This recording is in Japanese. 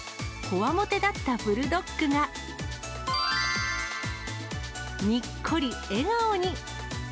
こわもてだったブルドッグが、にっこり笑顔に。